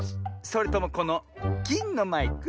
それともこのぎんのマイク？